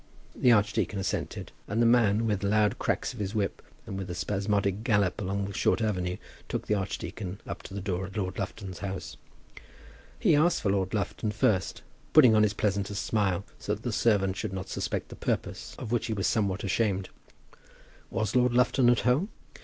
The archdeacon assented, and the man, with loud cracks of his whip, and with a spasmodic gallop along the short avenue, took the archdeacon up to the door of Lord Lufton's house. He asked for Lord Lufton first, putting on his pleasantest smile, so that the servant should not suspect the purpose, of which he was somewhat ashamed. Was Lord Lufton at home?